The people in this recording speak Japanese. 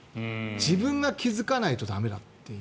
自分が気付かないと駄目だという。